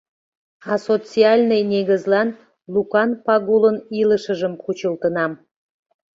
— А социальный негызлан Лукан Пагулын илышыжым кучылтынам.